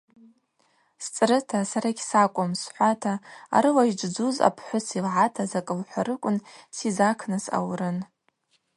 Сцӏрыта: Сара гьсакӏвым, – схӏвата арыла йджвджвуз апхӏвыс йылгӏата закӏ лхӏварыквын сизакныс аурын.